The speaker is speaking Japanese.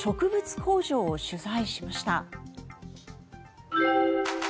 工場を取材しました。